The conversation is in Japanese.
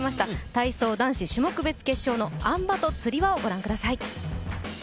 体操男子種目別決勝のあん馬とつり輪をご覧ください。